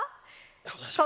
お願いします！